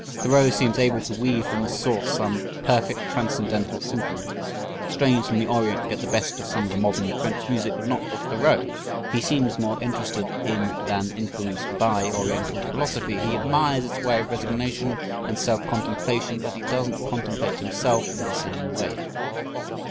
Thoreau seems able to weave from this source some perfect transcendental symphonies. Strains from the Orient get the best of some of the modern French music but not of Thoreau. He seems more interested in than influenced by Oriental philosophy. He admires its ways of resignation and self contemplation but he doesn't contemplate himself in the same way.